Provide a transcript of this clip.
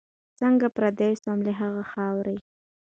څنګه پردی سوم له هغي خاوري